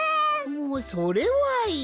おうそれはいい。